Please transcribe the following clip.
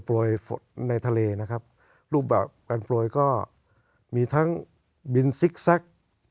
ปล่อยฝนในทะเลรูปแบบการปล่อยเรามีวินซิกแซ็ก